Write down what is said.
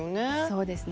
そうですね。